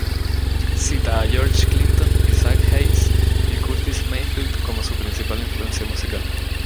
Cita a George Clinton, Isaac Hayes y Curtis Mayfield como su principal influencia musical.